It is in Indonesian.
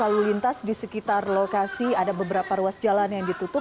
lalu lintas di sekitar lokasi ada beberapa ruas jalan yang ditutup